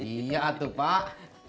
iya atut pak